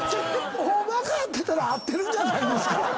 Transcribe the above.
大まか合ってたら合ってるんじゃないですか